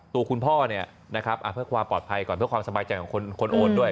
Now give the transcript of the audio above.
ตัวคุณพ่อเนี่ยนะครับเพื่อความปลอดภัยก่อนเพื่อความสบายใจของคนโอนด้วย